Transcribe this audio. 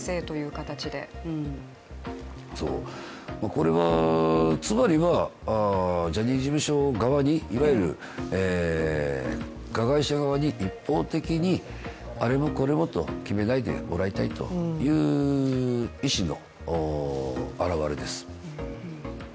これはつまりはジャニーズ事務所側に、いわゆる加害者側に一方的にあれもこれもと決めないでもらいたいという意思の表れです。